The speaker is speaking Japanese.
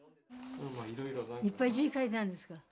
いっぱい字書いてあるんですか。